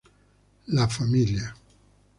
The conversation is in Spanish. La familia.